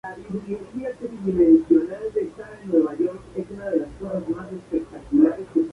Además, fue encargado de construir la casa de Hitler en Múnich.